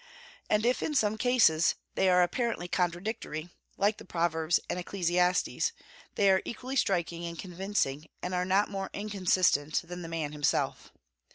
And if in some cases they are apparently contradictory, like the Proverbs and Ecclesiastes, they are equally striking and convincing, and are not more inconsistent than the man himself.